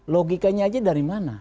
logikanya aja dari mana